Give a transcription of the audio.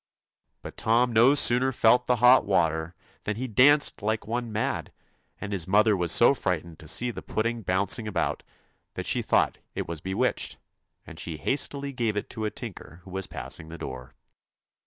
But Tom no sooner felt the hot water than he danced like one mad, and his mother was so fright ened to see the pudding bouncing about that she thought it was bewitched, and she hastily gave it to a tinker who was passing the door.